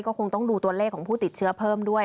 ก็คงต้องดูตัวเลขของผู้ติดเชื้อเพิ่มด้วย